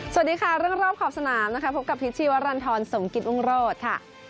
สวัสดีค่ะเรื่องรอบขอบสนามนะคะพบกับพิษชีวรรณฑรสมกิตรุงโรธค่ะ